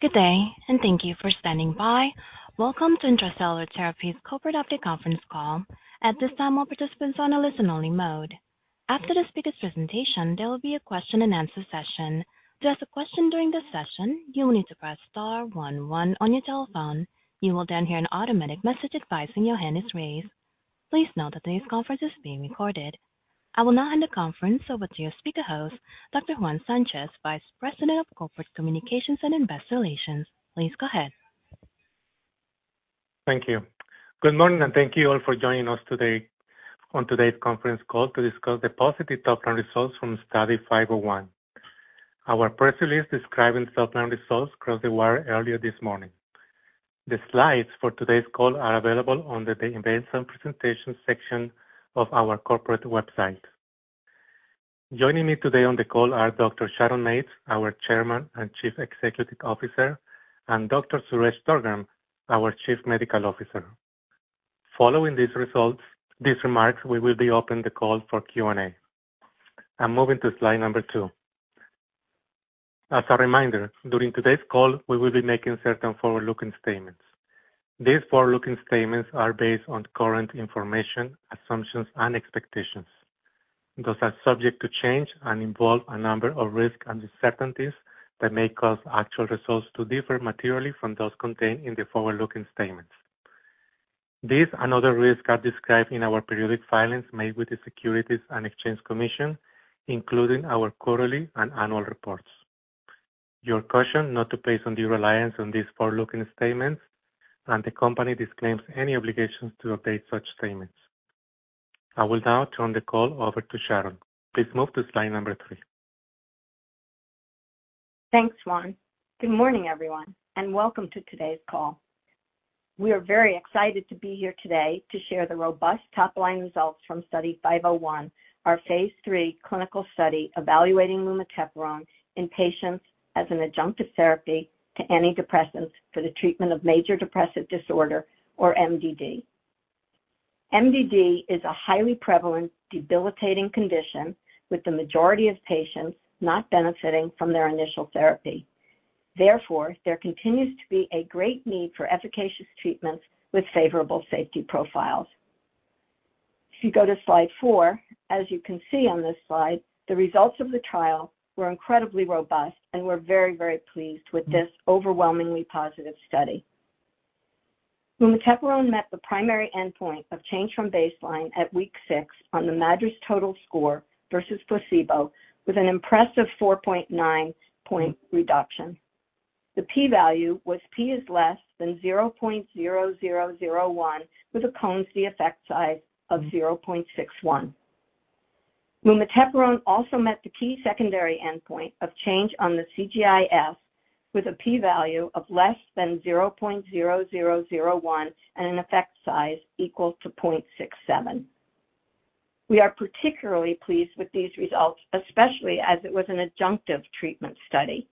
Good day, and thank you for standing by. Welcome to Intra-Cellular Therapies corporate update conference call. At this time, all participants are on a listen-only mode. After the speaker's presentation, there will be a question-and-answer session. To ask a question during the session, you will need to press star 11 on your telephone. You will then hear an automatic message advising your hand is raised. Please note that this conference is being recorded. I will now hand the conference over to your speaker host, Dr. Juan Sanchez, Vice President of Corporate Communications and Investor Relations. Please go ahead. Thank you. Good morning, and thank you all for joining us today on today's conference call to discuss the positive top-line results from Study 501. Our press release describing top-line results crossed the wire earlier this morning. The slides for today's call are available on the events and presentations section of our corporate website. Joining me today on the call are Dr. Sharon Mates, our Chairman and Chief Executive Officer, and Dr. Suresh Durgam, our Chief Medical Officer. Following these remarks, we will be opening the call for Q&A. I'm moving to Slide number 2. As a reminder, during today's call, we will be making certain forward-looking statements. These forward-looking statements are based on current information, assumptions, and expectations. Those are subject to change and involve a number of risks and uncertainties that may cause actual results to differ materially from those contained in the forward-looking statements. This and other risks are described in our periodic filings made with the Securities and Exchange Commission, including our quarterly and annual reports. Your caution is not to base on your reliance on these forward-looking statements, and the company disclaims any obligations to update such statements. I will now turn the call over to Sharon. Please move to slide number three. Thanks, Juan. Good morning, everyone, and welcome to today's call. We are very excited to be here today to share the robust top-line results from Study 501, our Phase 3 clinical study evaluating Lumateperone in patients as an adjunctive therapy to antidepressants for the treatment of major depressive disorder, or MDD. MDD is a highly prevalent, debilitating condition with the majority of patients not benefiting from their initial therapy. Therefore, there continues to be a great need for efficacious treatments with favorable safety profiles. If you go to Slide 4, as you can see on this slide, the results of the trial were incredibly robust, and we're very, very pleased with this overwhelmingly positive study. Lumateperone met the primary endpoint of change from baseline at Week 6 on the MADRS total score versus placebo, with an impressive 4.9-point reduction. The p-value was p is less than 0.0001, with a Cohen's d effect size of 0.61. Lumateperone also met the key secondary endpoint of change on the CGIS, with a p-value of less than 0.0001 and an effect size equal to 0.67. We are particularly pleased with these results, especially as it was an adjunctive treatment study.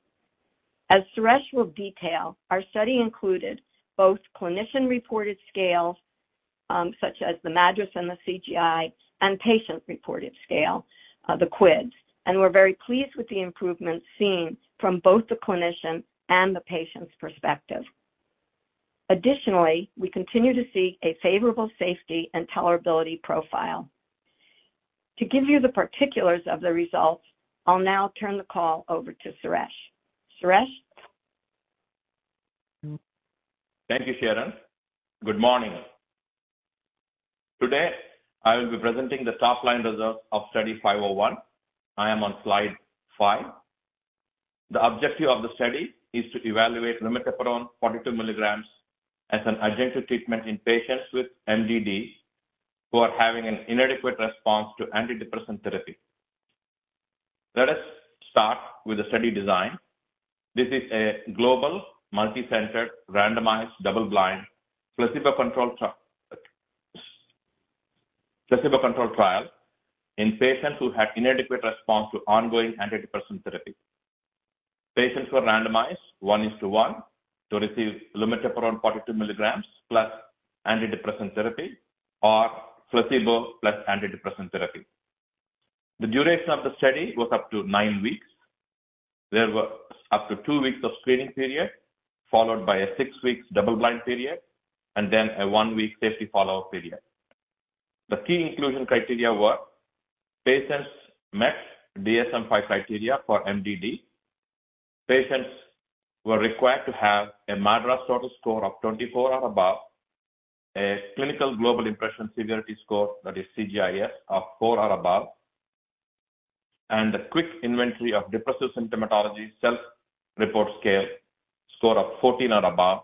As Suresh will detail, our study included both clinician-reported scales, such as the MADRS and the CGI, and patient-reported scale, the QIDS, and we're very pleased with the improvements seen from both the clinician and the patient's perspective. Additionally, we continue to see a favorable safety and tolerability profile. To give you the particulars of the results, I'll now turn the call over to Suresh. Suresh? Thank you, Sharon. Good morning. Today, I will be presenting the top-line results of Study 501. I am on Slide 5. The objective of the study is to evaluate lumateperone 42 milligrams as an adjunctive treatment in patients with MDD who are having an inadequate response to antidepressant therapy. Let us start with the study design. This is a global, multicenter, randomized, double-blind placebo-controlled trial in patients who had inadequate response to ongoing antidepressant therapy. Patients were randomized 1:1 to receive lumateperone 42 milligrams plus antidepressant therapy or placebo plus antidepressant therapy. The duration of the study was up to 9 weeks. There were up to 2 weeks of screening period followed by a 6-week double-blind period and then a 1-week safety follow-up period. The key inclusion criteria were patients met DSM-5 criteria for MDD. Patients were required to have a MADRS total score of 24 or above, a Clinical Global Impression-Severity score, that is, CGIS, of 4 or above, and a Quick Inventory of Depressive Symptomatology Self-Report scale score of 14 or above,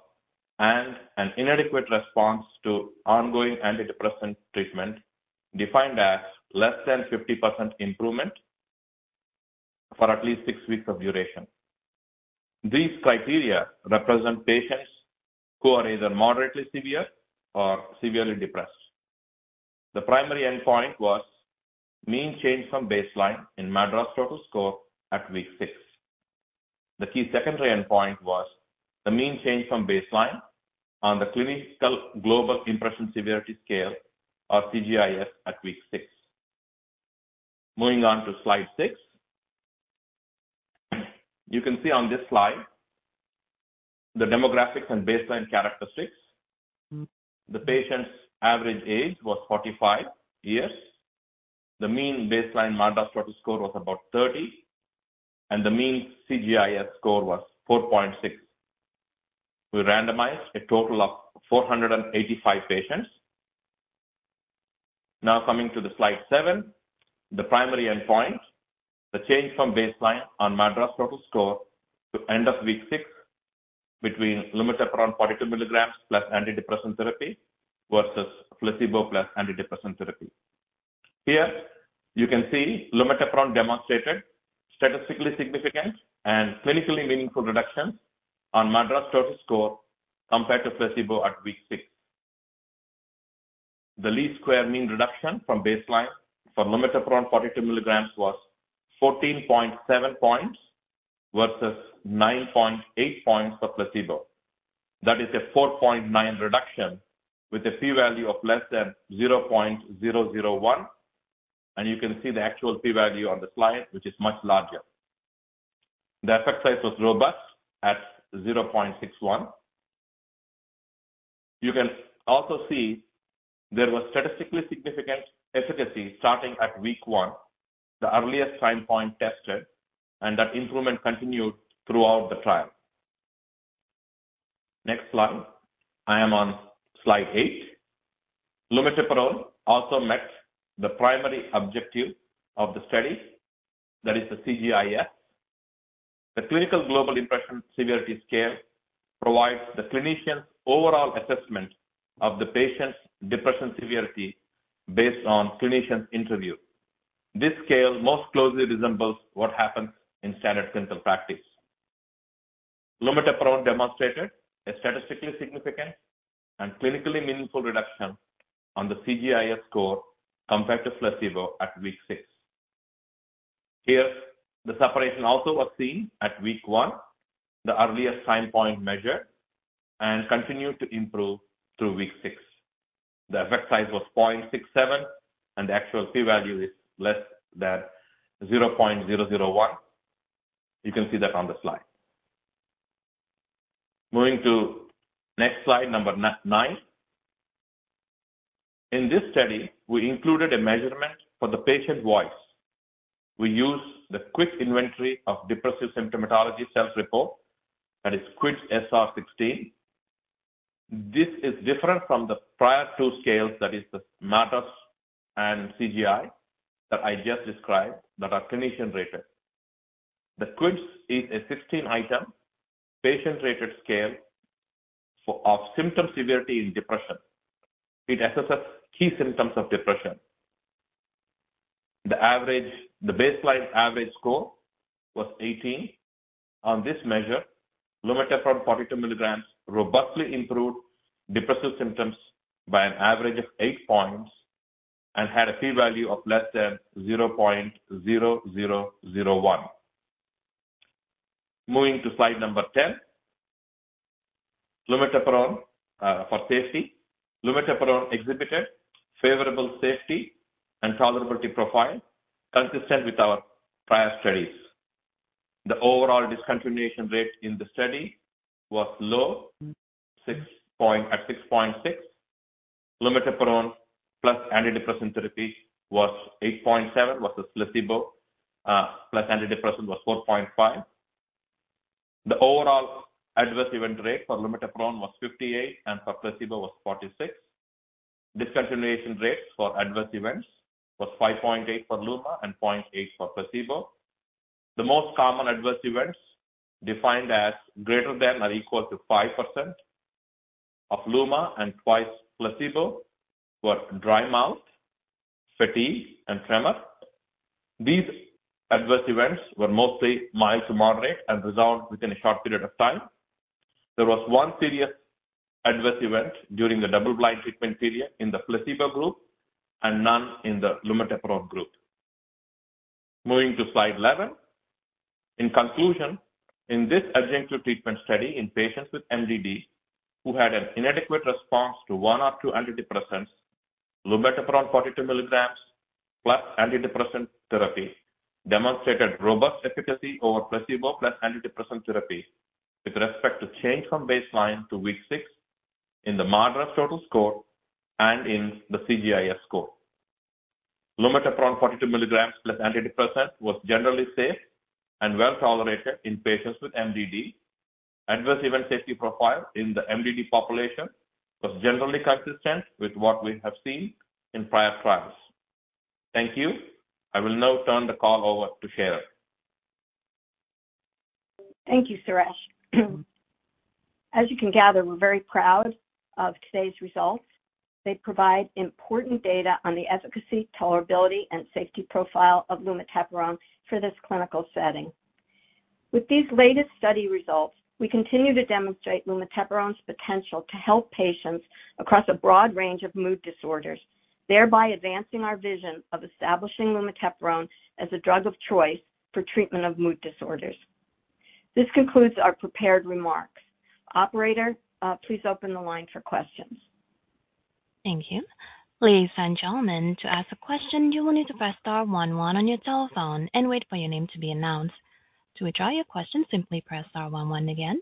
and an inadequate response to ongoing antidepressant treatment defined as less than 50% improvement for at least six weeks of duration. These criteria represent patients who are either moderately severe or severely depressed. The primary endpoint was mean change from baseline in MADRS total score at Week 6. The key secondary endpoint was the mean change from baseline on the Clinical Global Impression-Severity scale, or, CGIS, at Week 6. Moving on to Slide 6. You can see on this slide the demographics and baseline characteristics. The patients' average age was 45 years. The mean baseline MADRS total score was about 30, and the mean CGIS score was 4.6. We randomized a total of 485 patients. Now coming to the Slide 7, the primary endpoint, the change from baseline on MADRS total score to end of week 6 between Lumateperone 42 milligrams plus antidepressant therapy versus placebo plus antidepressant therapy. Here, you can see Lumateperone demonstrated statistically significant and clinically meaningful reductions on MADRS total score compared to placebo at Week 6. The least square mean reduction from baseline for Lumateperone 42 milligrams was 14.7 points versus 9.8 points for placebo. That is a 4.9 reduction with a p-value of less than 0.001, and you can see the actual p-value on the slide, which is much larger. The effect size was robust at 0.61. You can also see there was statistically significant efficacy starting at week 1, the earliest time point tested, and that improvement continued throughout the trial. Next slide. I am on Slide 8. Lumateperone also met the primary objective of the study, that is the CGIS. The Clinical Global Impression-Severity scale provides the clinician's overall assessment of the patient's depression severity based on clinician interview. This scale most closely resembles what happens in standard clinical practice. Lumateperone demonstrated a statistically significant and clinically meaningful reduction on the CGIS score compared to placebo at Week 6. Here, the separation also was seen at week 1, the earliest time point measured, and continued to improve through week 6. The effect size was 0.67, and the actual p-value is less than 0.001. You can see that on the slide. Moving to next Slide number 9. In this study, we included a measurement for the patient voice. We used the Quick Inventory of Depressive Symptomatology Self-Report, that is QIDS-SR16. This is different from the prior two scales, that is the MADRS and CGI, that I just described that are clinician-rated. The QIDS is a 16-item patient-rated scale of symptom severity in depression. It assesses key symptoms of depression. The baseline average score was 18. On this measure, lumatepirone 42 mg robustly improved depressive symptoms by an average of 8 points and had a p-value of less than 0.0001. Moving Slide 10. lumatepirone for safety. Lumateperone exhibited favorable safety and tolerability profile consistent with our prior studies. The overall discontinuation rate in the study was low at 6.6%. Lumateperone plus antidepressant therapy was 8.7%, whereas the placebo plus antidepressant was 4.5%. The overall adverse event rate for lumatepirone was 58%, and for placebo was 46%. Discontinuation rates for adverse events were 5.8% for LUMA and 0.8% for placebo. The most common adverse events defined as greater than or equal to 5% of LUMA and twice placebo were dry mouth, fatigue, and tremor. These adverse events were mostly mild to moderate and resolved within a short period of time. There was one serious adverse event during the double-blind treatment period in the placebo group and none in the lumateperone group. Moving Slide 11. in conclusion, in this adjunctive treatment study in patients with MDD who had an inadequate response to one or two antidepressants, lumateperone 42 milligrams plus antidepressant therapy demonstrated robust efficacy over placebo plus antidepressant therapy with respect to change from baseline to week six in the MADRS total score and in the CGIS score. Lumateperone 42 milligrams plus antidepressant was generally safe and well tolerated in patients with MDD. Adverse event safety profile in the MDD population was generally consistent with what we have seen in prior trials. Thank you. I will now turn the call over to Sharon. Thank you, Suresh. As you can gather, we're very proud of today's results. They provide important data on the efficacy, tolerability, and safety profile of Lumateperone for this clinical setting. With these latest study results, we continue to demonstrate Lumateperone's potential to help patients across a broad range of mood disorders, thereby advancing our vision of establishing Lumateperone as a drug of choice for treatment of mood disorders. This concludes our prepared remarks. Operator, please open the line for questions. Thank you. Ladies and gentlemen, to ask a question, you will need to press star 11 on your telephone and wait for your name to be announced. To withdraw your question, simply press star 11 again.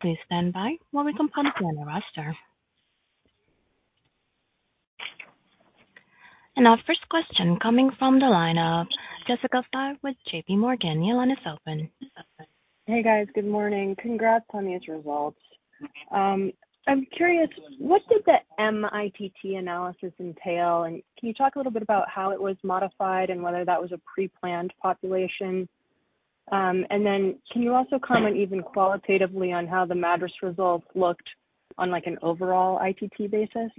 Please stand by while we compile the interview roster. Our first question coming from the line of Jessica Fye with J.P. Morgan. The line is open. Hey, guys. Good morning. Congrats on these results. I'm curious, what did the MITT analysis entail, and can you talk a little bit about how it was modified and whether that was a pre-planned population? And then can you also comment even qualitatively on how the MADRS results looked on an overall ITT basis?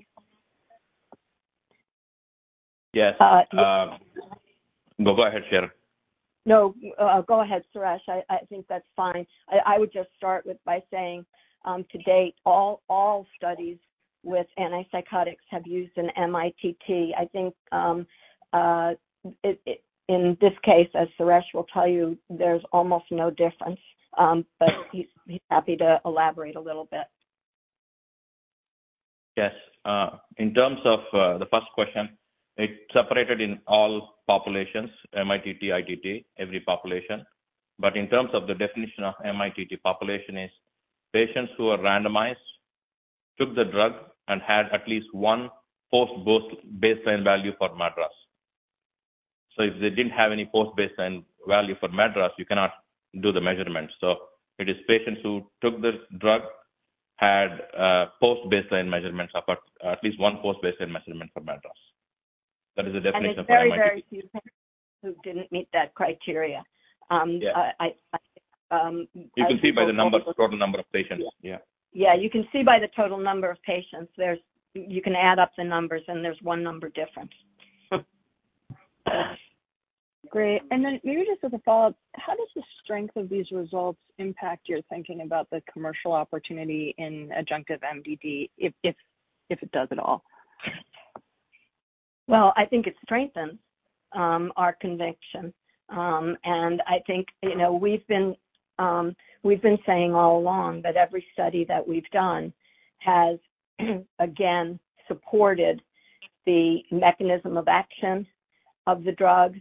Yes. Go ahead, Sharon. No, go ahead, Suresh. I think that's fine. I would just start by saying, to date, all studies with antipsychotics have used an MITT. I think, in this case, as Suresh will tell you, there's almost no difference, but he's happy to elaborate a little bit. Yes. In terms of the first question, it separated in all populations, MITT, ITT, every population. But in terms of the definition of MITT population, it's patients who are randomized, took the drug, and had at least one post-baseline value for MADRS. So if they didn't have any post-baseline value for MADRS, you cannot do the measurements. So it is patients who took the drug, had post-baseline measurements, at least one post-baseline measurement for MADRS. That is the definition of MITT. There are very, very few patients who didn't meet that criteria. You can see by the number, total number of patients. Yeah. Yeah. You can see by the total number of patients. You can add up the numbers, and there's one number difference. Great. And then maybe just as a follow-up, how does the strength of these results impact your thinking about the commercial opportunity in adjunctive MDD, if it does at all? Well, I think it strengthens our conviction. I think we've been saying all along that every study that we've done has, again, supported the mechanism of action of the drug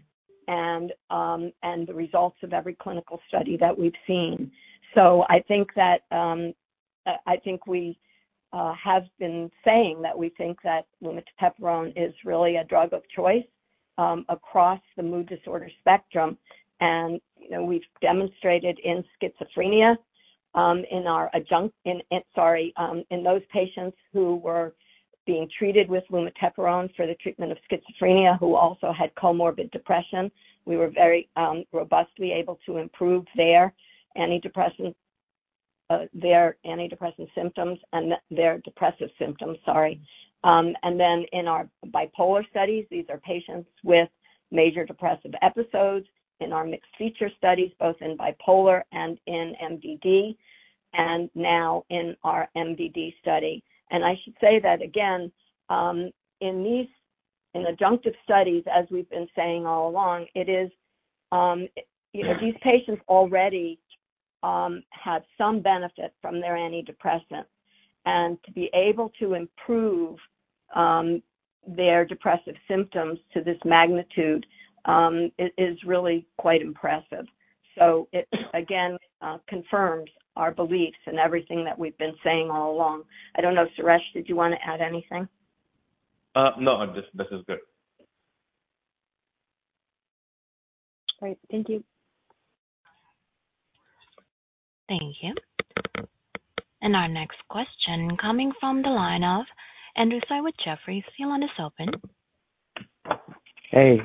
and the results of every clinical study that we've seen. I think that I think we have been saying that we think that Lumateperone is really a drug of choice across the mood disorder spectrum. We've demonstrated in schizophrenia, in our adjunct sorry, in those patients who were being treated with Lumateperone for the treatment of schizophrenia, who also had comorbid depression, we were very robustly able to improve their antidepressant symptoms and their depressive symptoms, sorry. Then in our bipolar studies, these are patients with major depressive episodes. In our mixed-feature studies, both in bipolar and in MDD, and now in our MDD study. And I should say that, again, in adjunctive studies, as we've been saying all along, it is these patients already have some benefit from their antidepressant. And to be able to improve their depressive symptoms to this magnitude is really quite impressive. So it, again, confirms our beliefs and everything that we've been saying all along. I don't know, Suresh, did you want to add anything? No, this is good. Great. Thank you. Thank you. And our next question coming from the line of Andrew Tsai with Jefferies. The line is open. Hey.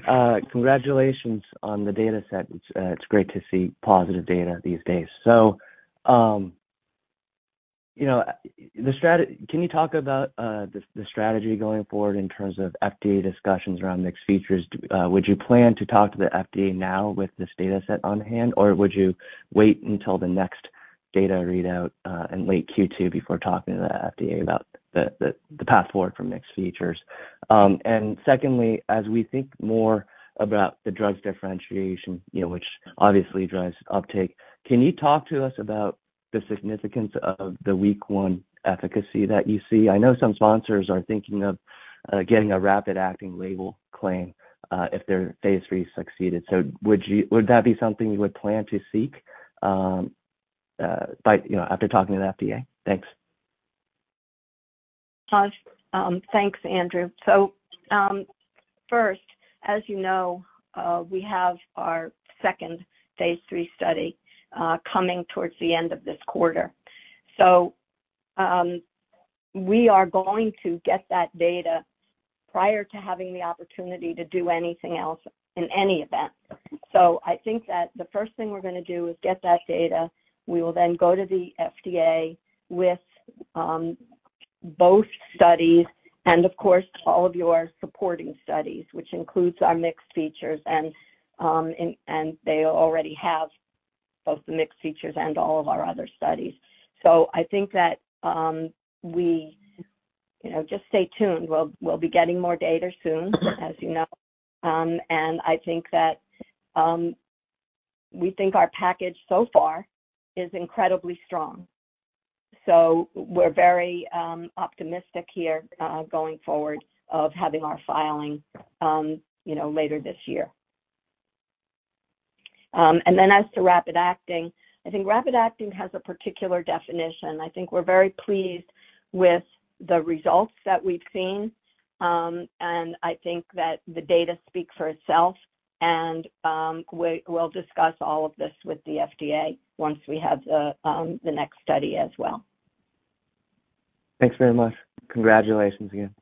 Congratulations on the dataset. It's great to see positive data these days. So can you talk about the strategy going forward in terms of FDA discussions around mixed features? Would you plan to talk to the FDA now with this dataset on hand, or would you wait until the next data readout in late Q2 before talking to the FDA about the path forward for mixed features? And secondly, as we think more about the drug's differentiation, which obviously drives uptake, can you talk to us about the significance of the week 1 efficacy that you see? I know some sponsors are thinking of getting a rapid-acting label claim if their Phase 3 succeeded. So would that be something you would plan to seek after talking to the FDA? Thanks. Of course. Thanks, Andrew. So first, as you know, we have our second Phase 3 study coming towards the end of this quarter. So we are going to get that data prior to having the opportunity to do anything else in any event. So I think that the first thing we're going to do is get that data. We will then go to the FDA with both studies and, of course, all of your supporting studies, which includes our mixed features. And they already have both the mixed features and all of our other studies. So I think that we just stay tuned. We'll be getting more data soon, as you know. And I think that we think our package so far is incredibly strong. So we're very optimistic here going forward of having our filing later this year. And then as to rapid acting, I think rapid acting has a particular definition. I think we're very pleased with the results that we've seen. And I think that the data speaks for itself. And we'll discuss all of this with the FDA once we have the next study as well. Thanks very much. Congratulations again.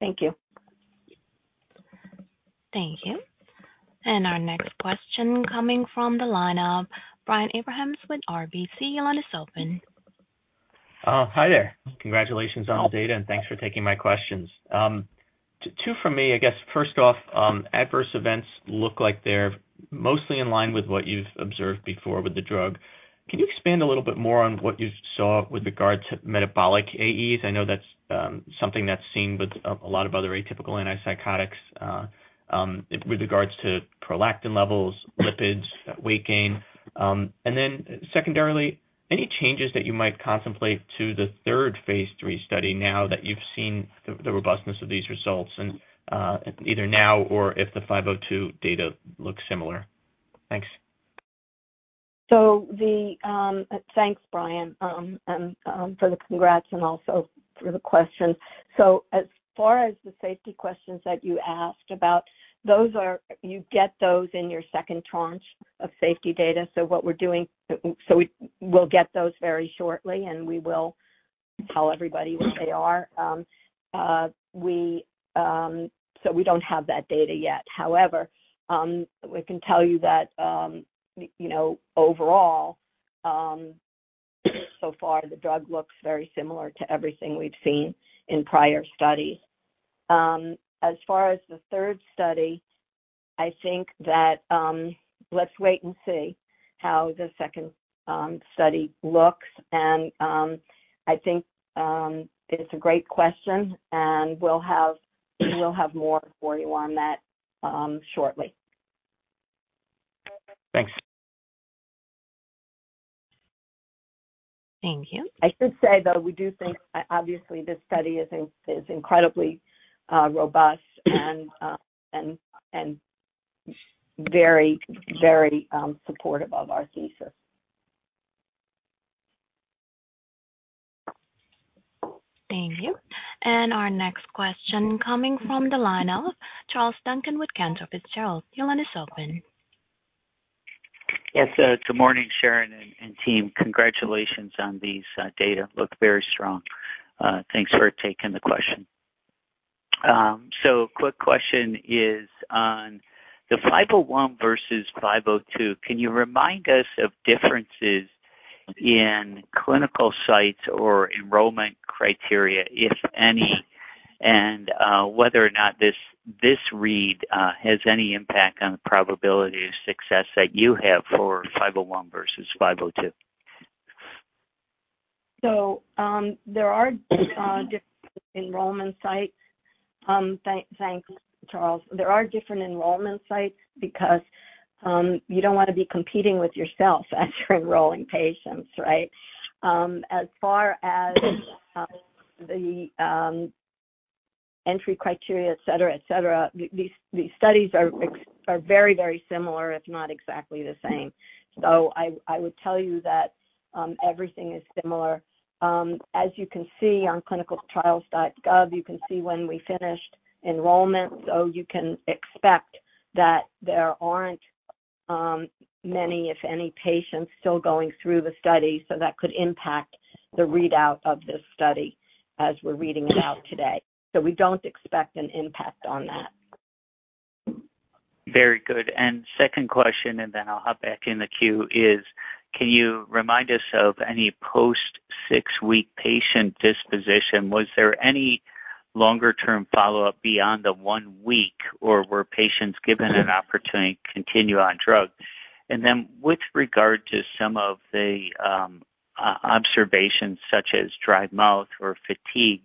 Thank you. Thank you. Our next question coming from the line of Brian Abrahams with RBC. The line is open. Hi there. Congratulations on the data, and thanks for taking my questions. Two from me. I guess, first off, adverse events look like they're mostly in line with what you've observed before with the drug. Can you expand a little bit more on what you saw with regard to metabolic AEs? I know that's something that's seen with a lot of other atypical antipsychotics with regards to prolactin levels, lipids, weight gain. And then secondarily, any changes that you might contemplate to the third phase three study now that you've seen the robustness of these results either now or if the 502 data looks similar? Thanks. So thanks, Brian, for the congrats and also for the questions. So as far as the safety questions that you asked about, you get those in your second tranche of safety data. So what we're doing so we'll get those very shortly, and we will tell everybody what they are. So we don't have that data yet. However, we can tell you that overall, so far, the drug looks very similar to everything we've seen in prior studies. As far as the third study, I think that let's wait and see how the second study looks. And I think it's a great question, and we'll have more for you on that shortly. Thanks. Thank you. I should say, though, we do think, obviously, this study is incredibly robust and very, very supportive of our thesis. Thank you. And our next question coming from the line of Charles Duncan with Cantor Fitzgerald. The line is open. Yes. Good morning, Sharon and team. Congratulations on these data. Look very strong. Thanks for taking the question. So quick question is on the 501 versus 502. Can you remind us of differences in clinical sites or enrollment criteria, if any, and whether or not this read has any impact on the probability of success that you have for 501 versus 502? There are different enrollment sites. Thanks, Charles. There are different enrollment sites because you don't want to be competing with yourself as you're enrolling patients, right? As far as the entry criteria, etc., etc., these studies are very, very similar, if not exactly the same. So I would tell you that everything is similar. As you can see on clinicaltrials.gov, you can see when we finished enrollment. So you can expect that there aren't many, if any, patients still going through the study. So that could impact the readout of this study as we're reading it out today. So we don't expect an impact on that. Very good. Second question, and then I'll hop back in the queue, is can you remind us of any post-6-week patient disposition? Was there any longer-term follow-up beyond the 1 week, or were patients given an opportunity to continue on drug? And then with regard to some of the observations such as dry mouth or fatigue,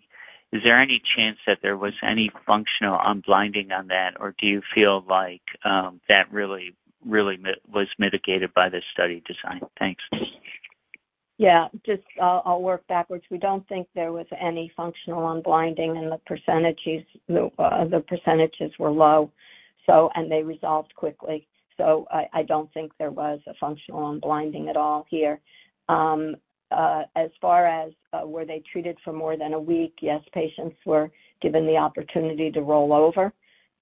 is there any chance that there was any functional unblinding on that, or do you feel like that really was mitigated by the study design? Thanks. Yeah. Just, I'll work backwards. We don't think there was any functional unblinding, and the percentages were low, and they resolved quickly. So I don't think there was a functional unblinding at all here. As far as were they treated for more than a week, yes, patients were given the opportunity to roll over,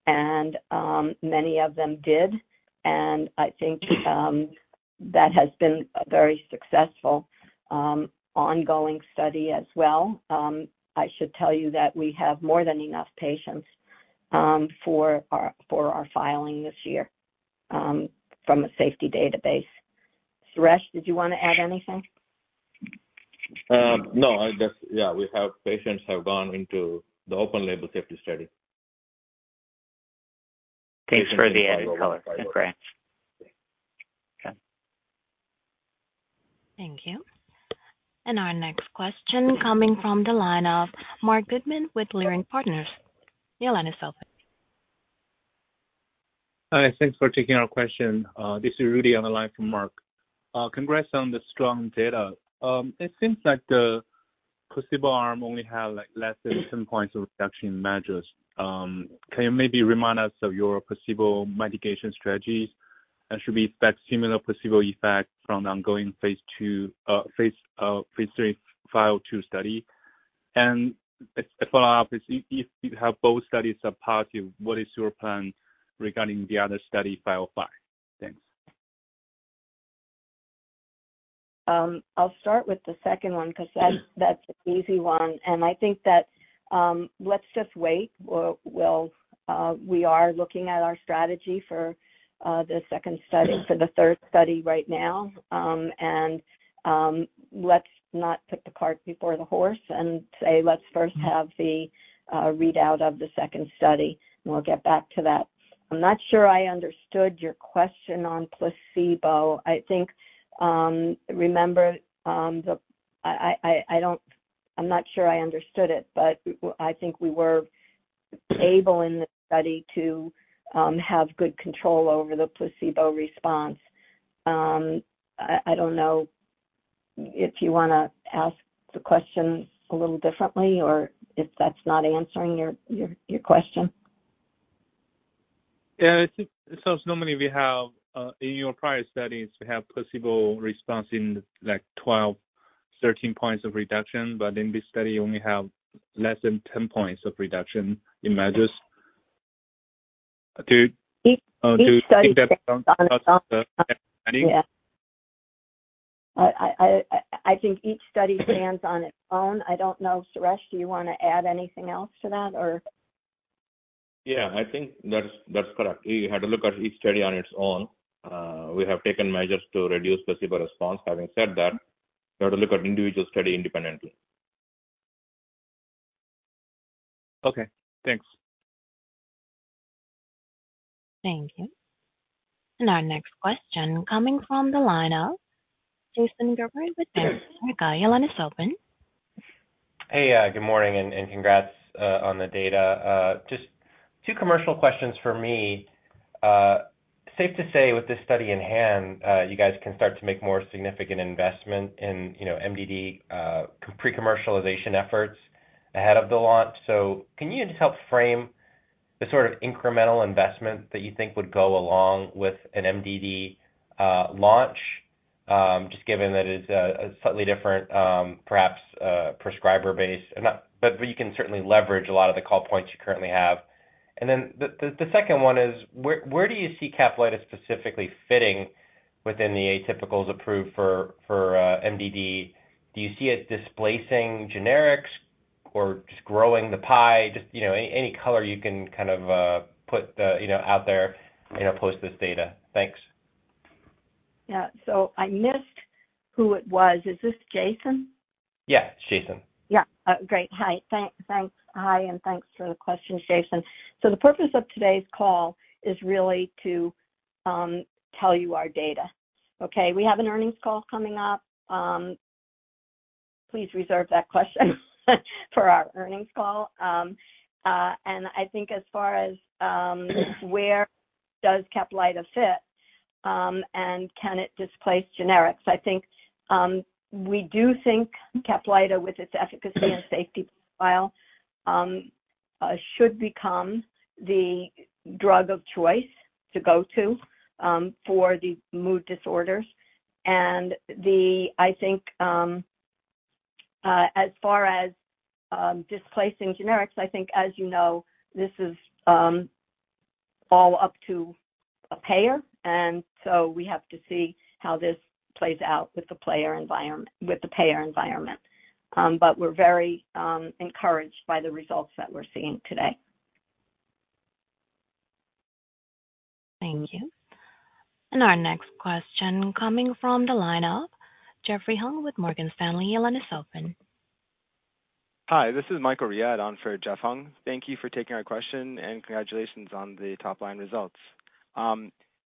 and many of them did. And I think that has been a very successful ongoing study as well. I should tell you that we have more than enough patients for our filing this year from a safety database. Suresh, did you want to add anything? No. Yeah. We have patients have gone into the open-label safety study. Thanks for the added color. That's great. Thank you. And our next question coming from the line of Marc Goodman with Leerink Partners. The line is open. Hi. Thanks for taking our question. This is Rudy on the line from Marc. Congrats on the strong data. It seems like the placebo arm only had less than 10 points of reduction in measures. Can you maybe remind us of your placebo mitigation strategies? And should we expect similar placebo effects from the ongoing Phase 3 Study 502? And a follow-up is if you have both studies are positive, what is your plan regarding the other study, Study 505? Thanks. I'll start with the second one because that's an easy one. I think that let's just wait. We are looking at our strategy for the second study for the third study right now. Let's not put the cart before the horse and say let's first have the readout of the second study, and we'll get back to that. I'm not sure I understood your question on placebo. I'm not sure I understood it, but I think we were able in the study to have good control over the placebo response. I don't know if you want to ask the question a little differently or if that's not answering your question. Yeah. It sounds normally we have in your prior studies, we have placebo response in 12, 13 points of reduction, but in this study, we only have less than 10 points of reduction in measures. Do you think that stands on its own? Yeah. I think each study stands on its own. I don't know, Suresh, do you want to add anything else to that, or? Yeah. I think that's correct. You had to look at each study on its own. We have taken measures to reduce placebo response. Having said that, you have to look at individual study independently. Okay. Thanks. Thank you. Our next question coming from the line of Jason Gerberry with Bank of America. The line is open. Hey. Good morning and congrats on the data. Just two commercial questions for me. Safe to say with this study in hand, you guys can start to make more significant investment in MDD pre-commercialization efforts ahead of the launch. So can you just help frame the sort of incremental investment that you think would go along with an MDD launch, just given that it's a slightly different, perhaps, prescriber-based but you can certainly leverage a lot of the call points you currently have? And then the second one is where do you see Caplyta specifically fitting within the atypicals approved for MDD? Do you see it displacing generics or just growing the pie? Just any color you can kind of put out there post this data. Thanks. Yeah. I missed who it was. Is this Jason? Yeah. It's Jason. Yeah. Great. Hi. Thanks. Hi, and thanks for the question, Jason. So the purpose of today's call is really to tell you our data, okay? We have an earnings call coming up. Please reserve that question for our earnings call. And I think as far as where does Caplyta fit, and can it displace generics? I think we do think Caplyta, with its efficacy and safety profile, should become the drug of choice to go to for the mood disorders. And I think as far as displacing generics, I think, as you know, this is all up to a payer. And so we have to see how this plays out with the payer environment. But we're very encouraged by the results that we're seeing today. Thank you. Our next question coming from the line of Jeffrey Hung with Morgan Stanley. The line is open. Hi. This is Michael Riad on for Jeff Hung. Thank you for taking our question, and congratulations on the top-line results.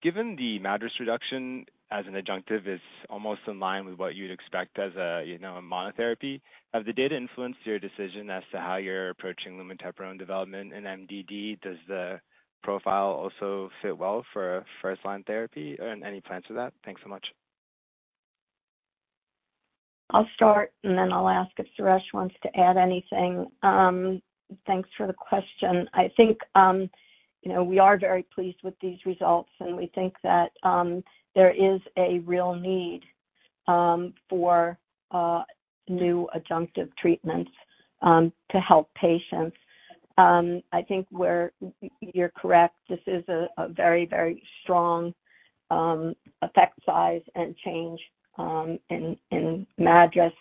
Given the MADRS reduction as an adjunctive is almost in line with what you'd expect as a monotherapy, have the data influenced your decision as to how you're approaching lumateperone development and MDD? Does the profile also fit well for first-line therapy? And any plans for that? Thanks so much. I'll start, and then I'll ask if Suresh wants to add anything. Thanks for the question. I think we are very pleased with these results, and we think that there is a real need for new adjunctive treatments to help patients. I think you're correct. This is a very, very strong effect size and change in measures.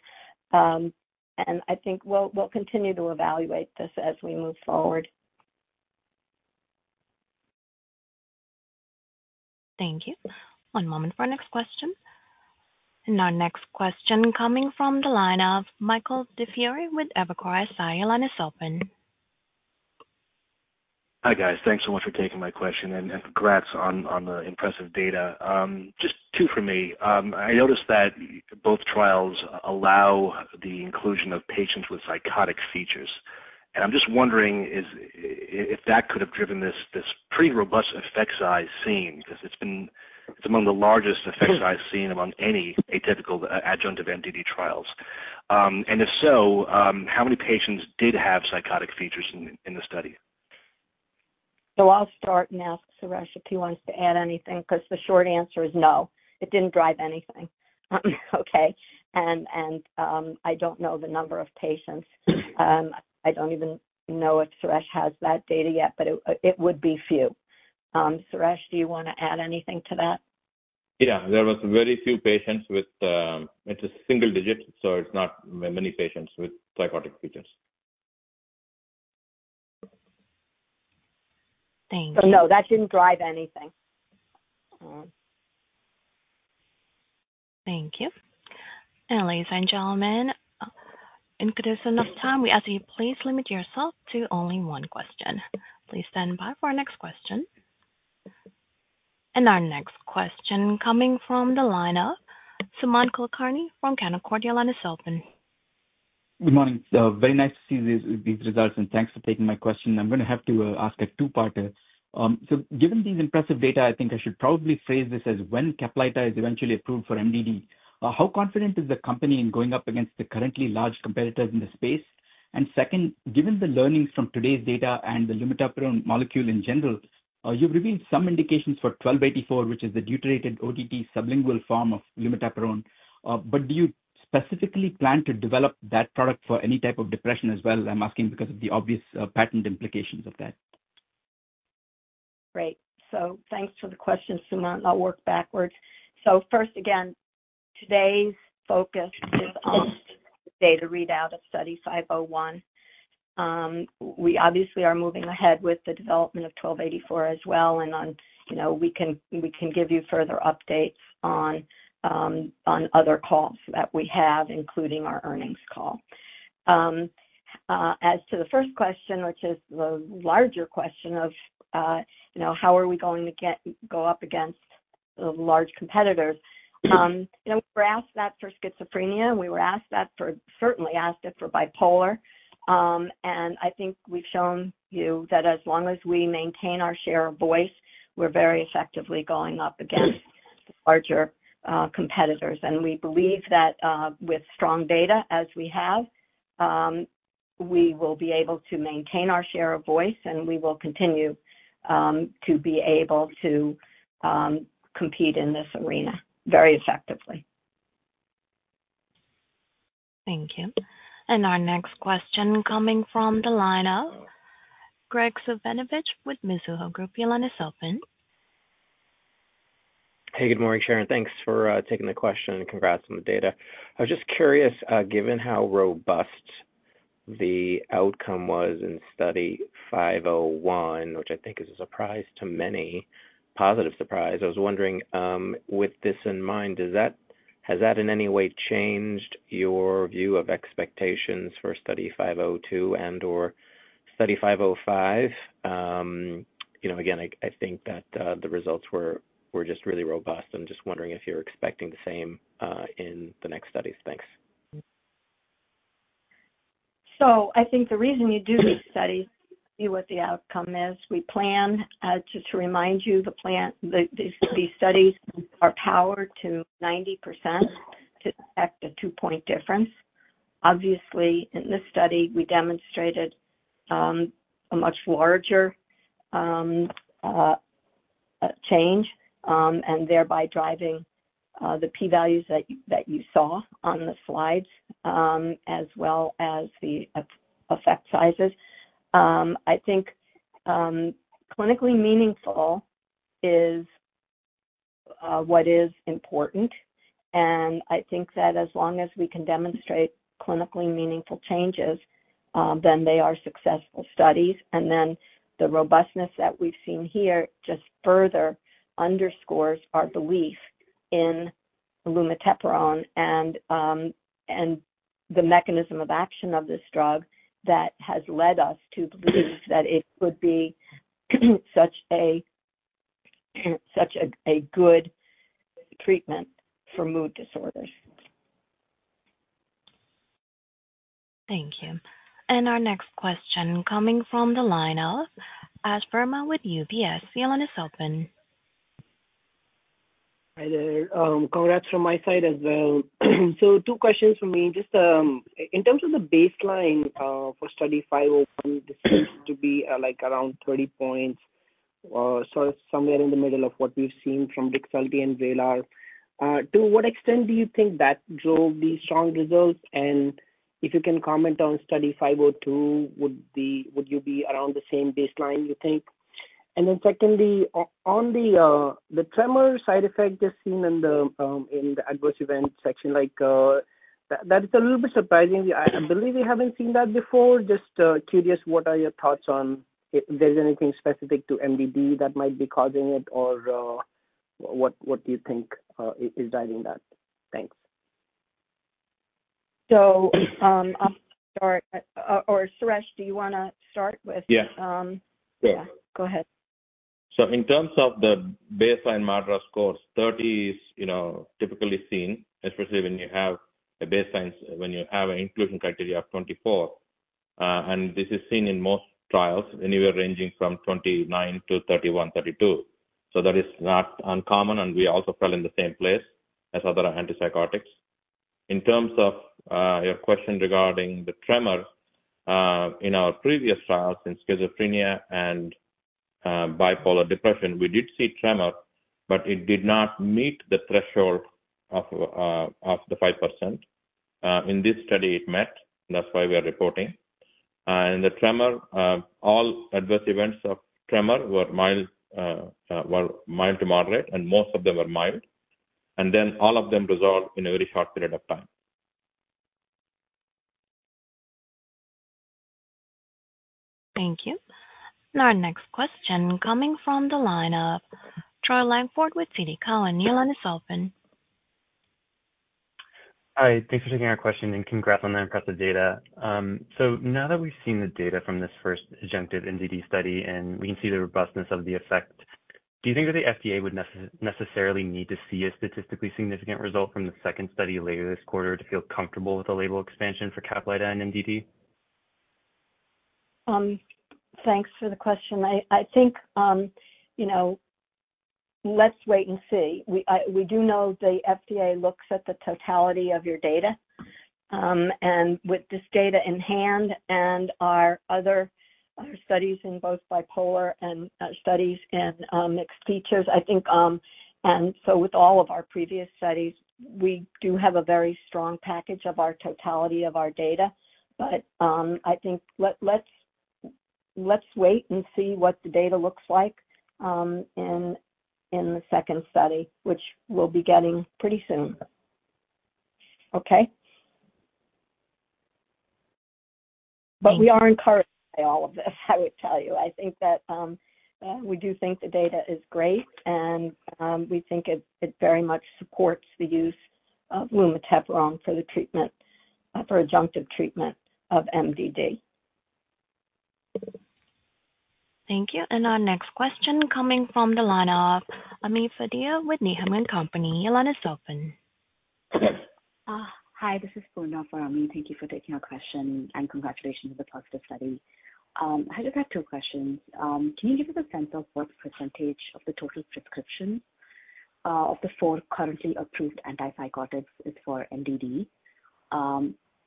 And I think we'll continue to evaluate this as we move forward. Thank you. One moment for our next question. And our next question coming from the line of Michael DiFiore with Evercore ISI. The line is open. Hi, guys. Thanks so much for taking my question, and congrats on the impressive data. Just two for me. I noticed that both trials allow the inclusion of patients with psychotic features. I'm just wondering if that could have driven this pretty robust effect size seen because it's among the largest effect size seen among any atypical adjunctive MDD trials. And if so, how many patients did have psychotic features in the study? So I'll start and ask Suresh if he wants to add anything because the short answer is no. It didn't drive anything. Okay. And I don't know the number of patients. I don't even know if Suresh has that data yet, but it would be few. Suresh, do you want to add anything to that? Yeah. There was very few patients with it. It's a single digit, so it's not many patients with psychotic features. Thank you. No, that didn't drive anything. Thank you. Ladies and gentlemen, in case there's enough time, we ask that you please limit yourself to only one question. Please stand by for our next question. Our next question coming from the line of Sumant Kulkarni from Canaccord Genuity. The line is open. Good morning. Very nice to see these results, and thanks for taking my question. I'm going to have to ask a two-parter. So given these impressive data, I think I should probably phrase this as when Caplyta is eventually approved for MDD, how confident is the company in going up against the currently large competitors in the space? And second, given the learnings from today's data and the lumateperone molecule in general, you've revealed some indications for 1284, which is the deuterated ODT sublingual form of lumateperone. But do you specifically plan to develop that product for any type of depression as well? I'm asking because of the obvious patent implications of that. Great. So thanks for the question, Samantha. I'll work backwards. So first, again, today's focus is on the data readout of Study 501. We obviously are moving ahead with the development of 1284 as well, and we can give you further updates on other calls that we have, including our earnings call. As to the first question, which is the larger question of how are we going to go up against the large competitors? We were asked that for schizophrenia. We were certainly asked that for bipolar. And I think we've shown you that as long as we maintain our share of voice, we're very effectively going up against the larger competitors. And we believe that with strong data as we have, we will be able to maintain our share of voice, and we will continue to be able to compete in this arena very effectively. Thank you. And our next question coming from the line of Graig Suvannavejh with Mizuho Securities. The line is open. Hey. Good morning, Sharon. Thanks for taking the question and congrats on the data. I was just curious, given how robust the outcome was in study 501, which I think is a surprise to many, positive surprise, I was wondering, with this in mind, has that in any way changed your view of expectations for study 502 and/or study 505? Again, I think that the results were just really robust. I'm just wondering if you're expecting the same in the next studies. Thanks. So I think the reason you do these studies is to see what the outcome is. We plan, just to remind you, these studies are powered to 90% to detect a 2-point difference. Obviously, in this study, we demonstrated a much larger change and thereby driving the p-values that you saw on the slides as well as the effect sizes. I think clinically meaningful is what is important. And I think that as long as we can demonstrate clinically meaningful changes, then they are successful studies. And then the robustness that we've seen here just further underscores our belief in lumateperone and the mechanism of action of this drug that has led us to believe that it would be such a good treatment for mood disorders. Thank you. Our next question coming from the line of Ashwani Verma with UBS. The line is open. Hi there. Congrats from my side as well. So two questions for me. Just in terms of the baseline for Study 501, this seems to be around 30 points, sort of somewhere in the middle of what we've seen from Rexulti and Vraylar. To what extent do you think that drove these strong results? And if you can comment on Study 502, would you be around the same baseline, you think? And then secondly, on the tremor side effect just seen in the adverse event section, that is a little bit surprising. I believe we haven't seen that before. Just curious, what are your thoughts on if there's anything specific to MDD that might be causing it, or what do you think is driving that? Thanks. So I'll start. Or Suresh, do you want to start with? Yeah. Yeah. Yeah. Go ahead. So in terms of the baseline MADRS scores, 30 is typically seen, especially when you have a baseline when you have an inclusion criteria of 24. And this is seen in most trials, anywhere ranging from 29-32. So that is not uncommon, and we also fell in the same place as other antipsychotics. In terms of your question regarding the tremor, in our previous trials in schizophrenia and bipolar depression, we did see tremor, but it did not meet the threshold of the 5%. In this study, it met. That's why we are reporting. And in the tremor, all adverse events of tremor were mild to moderate, and most of them were mild. And then all of them resolved in a very short period of time. Thank you. Our next question coming from the line of Troy Langford with TD Cowen. The line is open. Hi. Thanks for taking our question, and congrats on the impressive data. So now that we've seen the data from this first adjunctive MDD study, and we can see the robustness of the effect, do you think that the FDA would necessarily need to see a statistically significant result from the second study later this quarter to feel comfortable with the label expansion for Caplyta and MDD? Thanks for the question. I think let's wait and see. We do know the FDA looks at the totality of your data. With this data in hand and our other studies in both bipolar and studies in mixed features, I think and so with all of our previous studies, we do have a very strong package of our totality of our data. But I think let's wait and see what the data looks like in the second study, which we'll be getting pretty soon. Okay? But we are encouraged by all of this, I would tell you. I think that we do think the data is great, and we think it very much supports the use of lumateperone for the treatment for adjunctive treatment of MDD. Thank you. And our next question coming from the line of Ami Fadia with Needham & Company. The line is open. Hi. This is Poonam for Ami Fadia. Thank you for taking our question, and congratulations on the positive study. I just have two questions. Can you give us a sense of what percentage of the total prescriptions of the four currently approved antipsychotics is for MDD?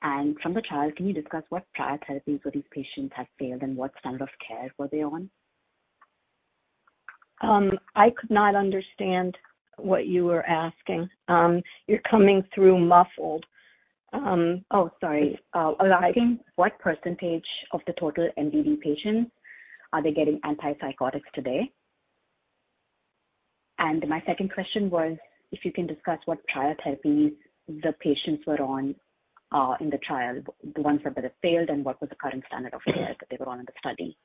And from the trial, can you discuss what prior therapies for these patients have failed and what standard of care were they on? I could not understand what you were asking. You're coming through muffled. Oh, sorry. I was asking what percentage of the total MDD patients are they getting antipsychotics today? My second question was if you can discuss what prior therapies the patients were on in the trial, the ones that failed, and what was the current standard of care that they were on in the study?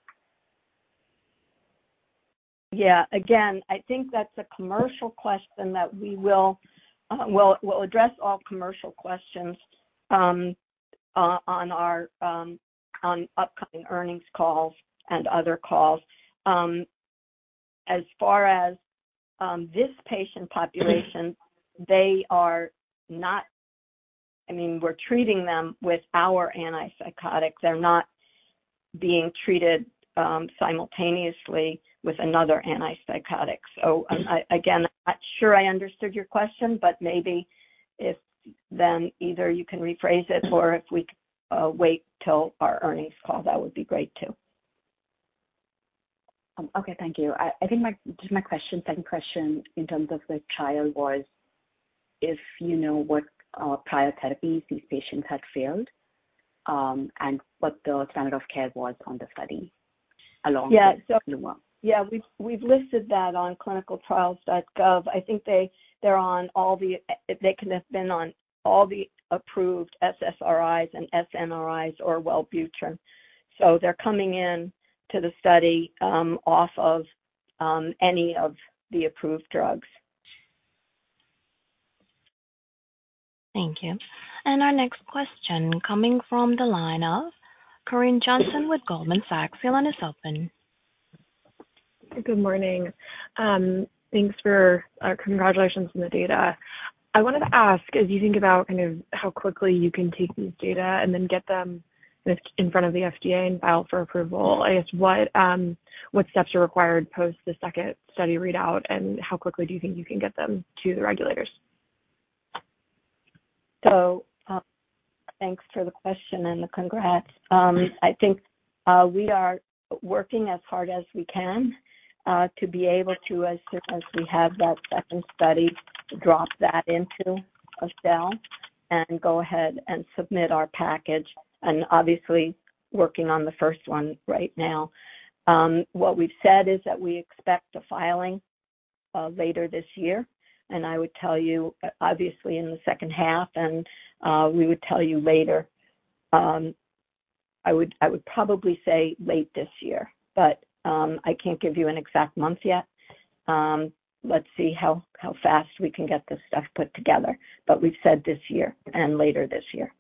Yeah. Again, I think that's a commercial question that we will address all commercial questions on upcoming earnings calls and other calls. As far as this patient population, they are not—I mean, we're treating them with our antipsychotics. They're not being treated simultaneously with another antipsychotic. So again, I'm not sure I understood your question, but maybe if then either you can rephrase it or if we wait till our earnings call, that would be great too. Okay. Thank you. I think just my second question in terms of the trial was if you know what prior therapies these patients had failed and what the standard of care was on the study along with Luma? Yeah. So yeah, we've listed that on ClinicalTrials.gov. I think they're on all the they can have been on all the approved SSRIs and SNRIs or Wellbutrin. So they're coming into the study off of any of the approved drugs. Thank you. Our next question coming from the line of Corinne Jenkins with Goldman Sachs. The line is open. Good morning. Thanks for congratulations on the data. I wanted to ask, as you think about kind of how quickly you can take these data and then get them in front of the FDA and file for approval, I guess, what steps are required post the second study readout, and how quickly do you think you can get them to the regulators? So thanks for the question and the congrats. I think we are working as hard as we can to be able to, as soon as we have that second study, drop that into an sNDA and go ahead and submit our package and obviously working on the first one right now. What we've said is that we expect a filing later this year. I would tell you, obviously, in the second half, and we would tell you later. I would probably say late this year, but I can't give you an exact month yet. Let's see how fast we can get this stuff put together. But we've said this year and later this year.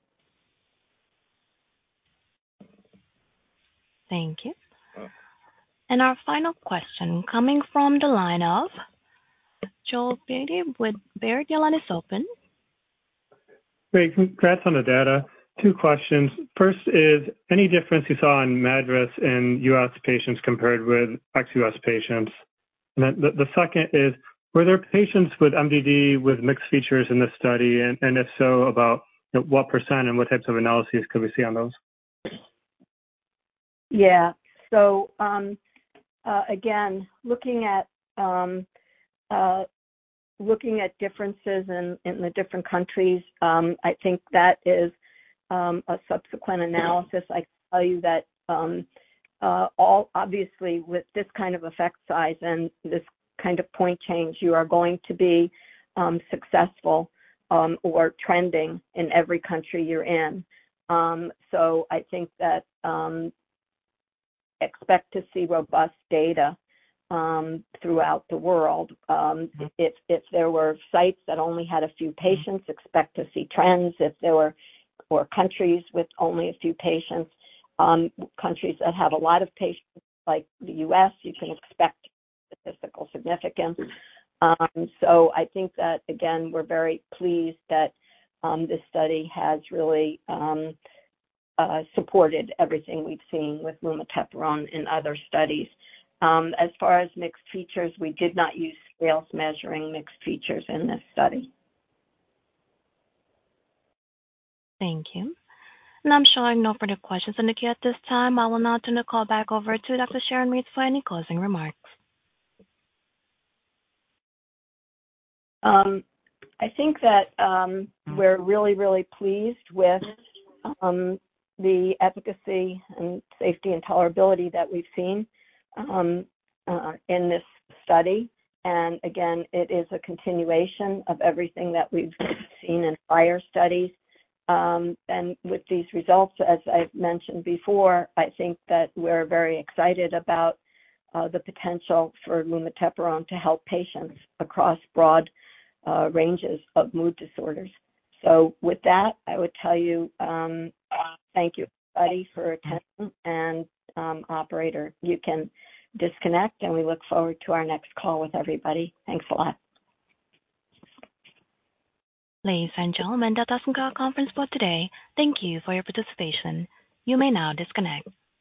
Thank you. Our final question coming from the line of Joel Beatty with Baird. The line is open. Great. Congrats on the data. Two questions. First is, any difference you saw in MADRS in U.S. patients compared with ex-U.S. patients? And then the second is, were there patients with MDD with mixed features in this study? And if so, about what % and what types of analyses could we see on those? Yeah. So again, looking at differences in the different countries, I think that is a subsequent analysis. I can tell you that obviously, with this kind of effect size and this kind of point change, you are going to be successful or trending in every country you're in. So I think that expect to see robust data throughout the world. If there were sites that only had a few patients, expect to see trends. If there were countries with only a few patients, countries that have a lot of patients like the U.S., you can expect statistical significance. So I think that, again, we're very pleased that this study has really supported everything we've seen with lumateperone in other studies. As far as mixed features, we did not use scales measuring mixed features in this study. Thank you. I'm showing no further questions under here at this time. I will now turn the call back over to Dr. Sharon Mates for any closing remarks. I think that we're really, really pleased with the efficacy and safety and tolerability that we've seen in this study. And again, it is a continuation of everything that we've seen in prior studies. And with these results, as I've mentioned before, I think that we're very excited about the potential for lumateperone to help patients across broad ranges of mood disorders. So with that, I would tell you, thank you, everybody, for attention. And operator, you can disconnect, and we look forward to our next call with everybody. Thanks a lot. Ladies and gentlemen, that does conclude our conference for today. Thank you for your participation. You may now disconnect.